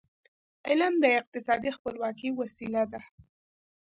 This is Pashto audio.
علم د اقتصادي خپلواکی وسیله ده.